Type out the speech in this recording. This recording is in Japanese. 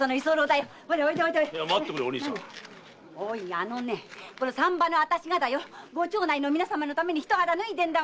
あのね産婆のあたしがご町内の皆さまのためにひと肌脱いでんだ。